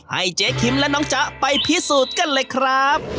ให้เจ๊คิมและน้องจ๊ะไปพิสูจน์กันเลยครับ